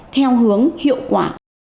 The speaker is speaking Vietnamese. theo hướng hiệu quả